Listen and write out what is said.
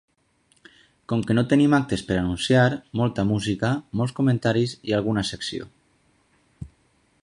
Com que no tenim actes per anunciar, molta música, molts comentaris i alguna secció.